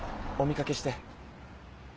お見かけして。